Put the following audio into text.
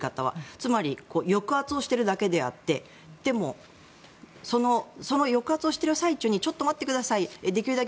つまり抑圧をしているだけであってでも、その抑圧をしている最中にちょっと待ってくださいできるだけ